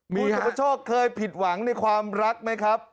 คุณสุปชอบเคยผิดหวังในความรักไหมครับ